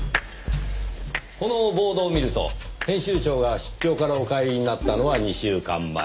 このボードを見ると編集長が出張からお帰りになったのは２週間前。